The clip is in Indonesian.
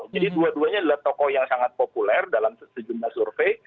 jadi dua duanya adalah tokoh yang sangat populer dalam sejumlah survei